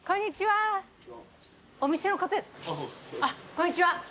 こんにちは。